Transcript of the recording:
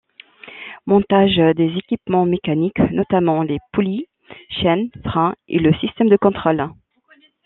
Montage des équipements mécaniques notamment les poulies, chaines, freins et le système de contrôle.